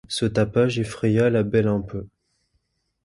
ce tapage effraya la belle un peu.